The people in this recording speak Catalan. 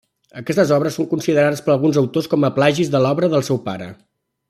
Aquestes obres són considerades per alguns autors com a plagis de l'obra del seu pare.